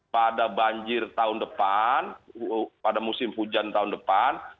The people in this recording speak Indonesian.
pada banjir tahun depan pada musim hujan tahun depan